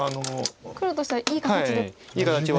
黒としてはいい形で。